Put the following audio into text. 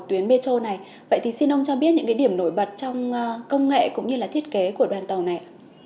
tuyến metro này vậy thì xin ông cho biết những điểm nổi bật trong công nghệ cũng như là thiết kế của đoàn tàu này